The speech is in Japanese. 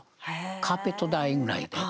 カーペット代ぐらいで。